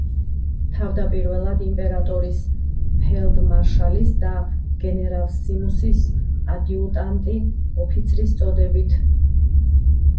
თავდაპირველად, იმპერატორის, ფელდმარშალის და გენერალისიმუსის ადიუტანტი ოფიცრის წოდებით.